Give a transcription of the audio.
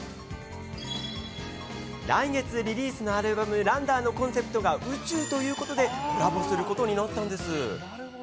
来月リリースのアルバム、ランダーのコンセプトが宇宙ということで、コラボすることになったんです。